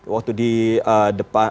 waktu di depan